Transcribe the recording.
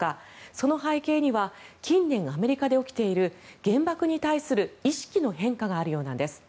その背景には近年、アメリカで起きている原爆に対する意識の変化があるようなんです。